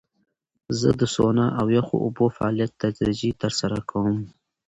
زه د سونا او یخو اوبو فعالیت تدریجي ترسره کوم.